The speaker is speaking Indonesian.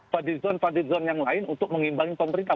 pada di zon yang lain untuk mengimbangkan pemerintah